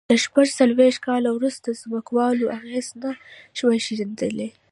له شپږ څلوېښت کال وروسته ځمکوالو اغېز نه شوای ښندي.